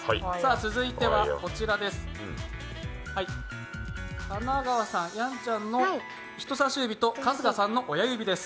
続いてはやんちゃんの人さし指と春日さんの親指です。